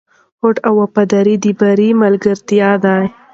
هوډ او وفاداري د بریا ملګري دي.